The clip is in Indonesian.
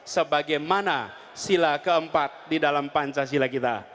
sebagaimana sila keempat di dalam pancasila kita